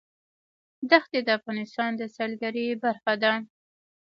دښتې د افغانستان د سیلګرۍ برخه ده.